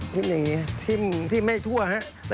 ชิมอย่างนี้ชิมที่ไม่ทั่วนะฮะ